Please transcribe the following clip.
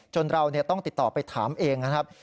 เราต้องติดต่อไปถามเองนะครับ